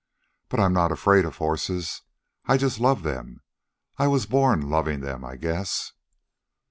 But I'm not afraid of horses. I just love them. I was born loving them, I guess."